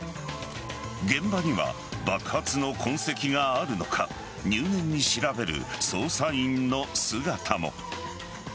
現場には爆発の痕跡があるのか入念に調べる捜査員の姿も。